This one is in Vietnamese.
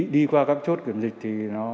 đi qua các chốt kiểm dịch